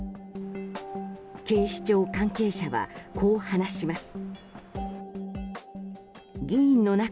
警視庁関係者は、こう話します。